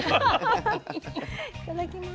いただきます。